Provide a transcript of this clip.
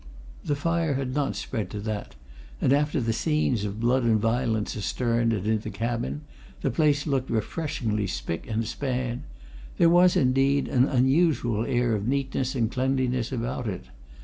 The fire had not spread to that, and after the scenes of blood and violence astern and in the cabin the place looked refreshingly spick and span; there was, indeed, an unusual air of neatness and cleanliness about it.